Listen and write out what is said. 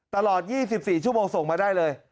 ตลอด๒๔ชั่วโมงส่งมาได้เลย